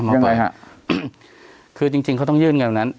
ยังไงฮะคือจริงจริงเขาต้องยื่นกันวันนั้น